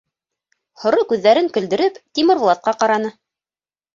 Һоро күҙҙәрен көлдөрөп Тимербулатҡа ҡараны: